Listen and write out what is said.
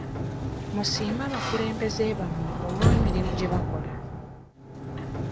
Musiime abakulembeze bamwe olw'emirimu gye bakola.